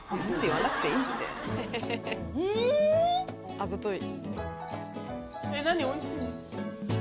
あざとい。